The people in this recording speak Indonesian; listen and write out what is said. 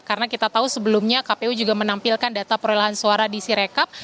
karena kita tahu sebelumnya kpu juga menampilkan data perolehan suara di sirekap